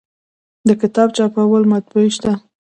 د کتاب چاپولو مطبعې شته